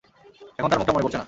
এখন তার মুখটাও মনে পড়ছে না!